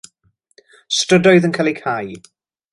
Strydoedd yn cael eu cau.